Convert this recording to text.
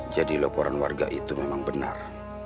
jadi laporan warga itu memang benar